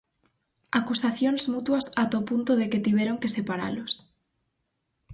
Acusacións mutuas ata o punto de que tiveron que separalos.